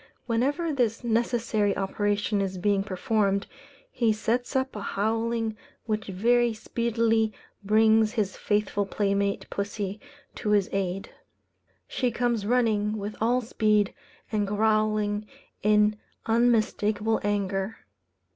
Whenever this necessary operation is being performed, he sets up a howling which very speedily brings his faithful playmate pussy to his aid. She comes running with all speed, and growling in unmistakable anger.